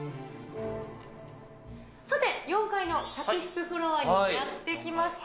さて４階の客室フロアにやって来ました。